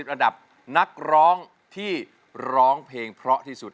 ระดับนักร้องที่ร้องเพลงเพราะที่สุด